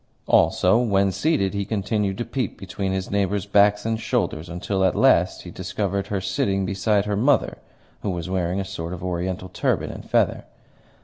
Also, when seated, he continued to peep between his neighbours' backs and shoulders, until at last he discovered her sitting beside her mother, who was wearing a sort of Oriental turban and feather.